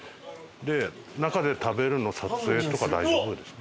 中で食べるの撮影とか大丈夫ですか？